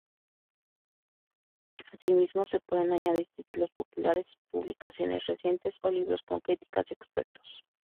Asimismo, se pueden añadir títulos populares, publicaciones recientes o libros con críticas de expertos.